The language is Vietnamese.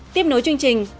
tiếp nối chương trình